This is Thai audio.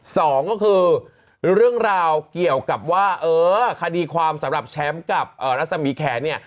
สองก็คือเรื่องราวเกี่ยวกับว่าเออคดีความสำหรับแชมป์กับรัศมีแขนเนี่ย